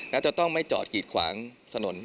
แล้วจะต้องไม่จอดกีดขวางถนน